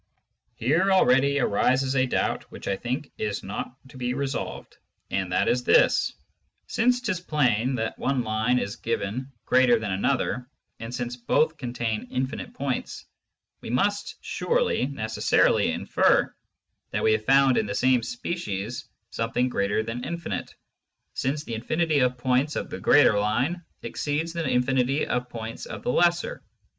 Here already arises a Doubt which I think is not to be resolv'd ; and that is this : Since 'tis plain that one Line is given greater than another, and since both contain infinite Points, we must surely necessarily infer, that we have found in the same Species something greater than Infinite, since the Infinity of Points of the greater Line exceeds the Infinity of Points of the lesser.